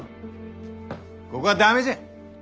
ここは駄目じゃ。